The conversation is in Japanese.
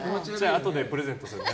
あとでプレゼントするね。